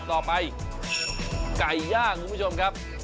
ต่อไปไก่ย่างคุณผู้ชมครับ